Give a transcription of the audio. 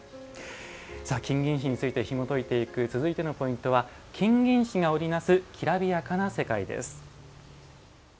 金銀糸についてひもといていく続いてのポイントは「金銀糸が織りなすきらびやかな世界」。